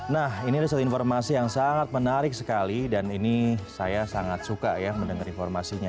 nah ini adalah satu informasi yang sangat menarik sekali dan ini saya sangat suka ya mendengar informasinya